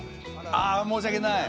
あ申し訳ない。